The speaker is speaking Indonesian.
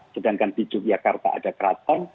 sedangkan di yogyakarta ada keraton